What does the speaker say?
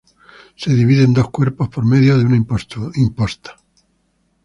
Se divide en dos cuerpos por medio de una imposta.